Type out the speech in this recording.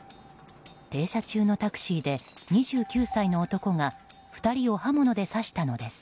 停車中のタクシーで２９歳の男が２人を刃物で刺したのです。